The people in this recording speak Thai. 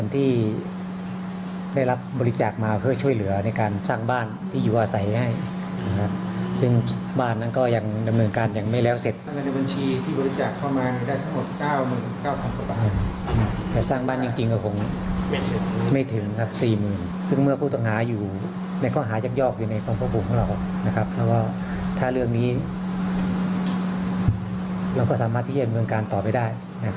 ถ้าเรื่องนี้เราก็สามารถที่จะเห็นเมืองการต่อไปได้